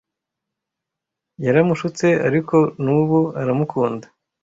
Yaramushutse, ariko n'ubu aramukunda.